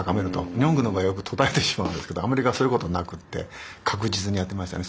日本軍の場合は途絶えてしまうんですけどアメリカはそういうことはなくって確実にやってましたね。